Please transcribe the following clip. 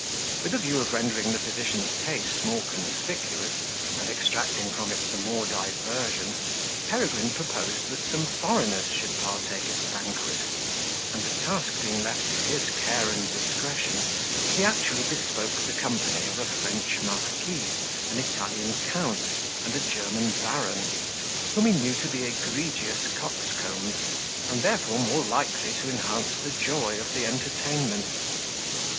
With a view of rendering the physician's taste more conspicuous, and extracting from it the more diversion, Peregrine proposed that some foreigners should partake of the banquet; and the task being left to his care and discretion, he actually bespoke the company of a French marquis, an Italian count, and a German baron, whom he knew to be egregious coxcombs, and therefore more likely to enhance the joy of the entertainment.